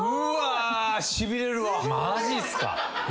マジっすか！？